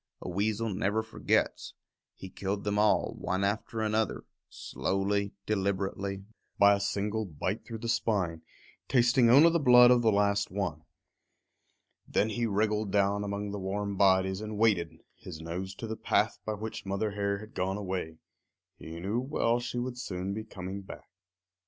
A weasel never forgets. He killed them all, one after another, slowly, deliberately, by a single bite through the spine, tasting only the blood of the last one. Then he wriggled down among the warm bodies and waited, his nose to the path by which Mother Hare had gone away. He knew well she would soon be coming back.